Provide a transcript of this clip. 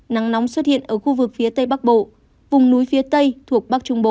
nắng nóng xuất hiện ở khu vực phía tây bắc bộ vùng núi phía tây thuộc bắc trung bộ